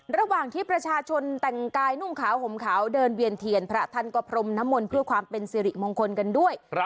ระหว่างที่ประชาชนแต่งกายนุ่งขาวห่มขาวเดินเวียนเทียนพระท่านก็พรมน้ำมนต์เพื่อความเป็นสิริมงคลกันด้วย